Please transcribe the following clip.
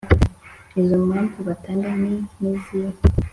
Izo mpamvu batanga ni nk’izihe?